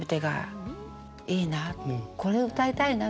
これ歌いたいな」。